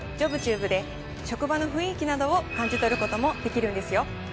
で職場の雰囲気などを感じ取ることもできるんですよ。